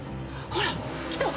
ほら！来た。